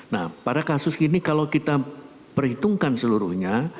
nah pada kasus ini kalau kita perhitungkan seluruhnya